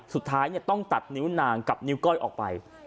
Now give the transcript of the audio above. สุดท้ายต้องตัดนิ้วนางกับนิ้วก้อยออกไป